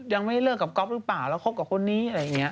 ยังไม่ได้เลิกกับกล๊อปหรือเปล่าแล้วครบกับคนนี้